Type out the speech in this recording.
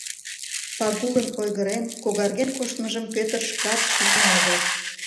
Пагулын ойгырен, когарген коштмыжым Пӧтыр шкат шижын огыл.